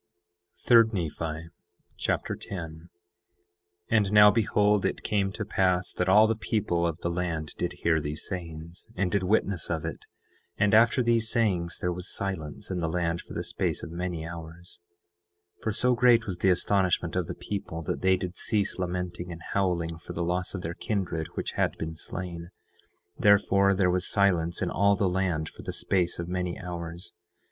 3 Nephi Chapter 10 10:1 And now behold, it came to pass that all the people of the land did hear these sayings, and did witness of it. And after these sayings there was silence in the land for the space of many hours; 10:2 For so great was the astonishment of the people that they did cease lamenting and howling for the loss of their kindred which had been slain; therefore there was silence in all the land for the space of many hours.